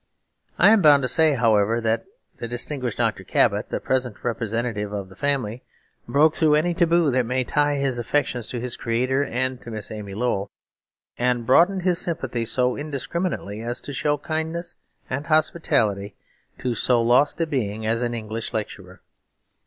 I am bound to say, however, that the distinguished Dr. Cabot, the present representative of the family, broke through any taboo that may tie his affections to his Creator and to Miss Amy Lowell, and broadened his sympathies so indiscriminately as to show kindness and hospitality to so lost a being as an English lecturer.